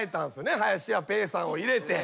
林家ペーさんを入れて。